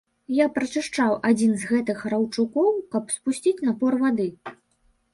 Я прачышчаў адзін з гэтых раўчукоў, каб спусціць напор вады.